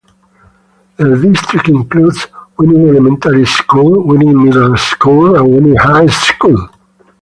The district includes Wiggins Elementary School, Wiggins Middle School and Wiggins High School.